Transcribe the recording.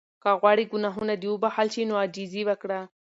که غواړې ګناهونه دې وبخښل شي نو عاجزي وکړه.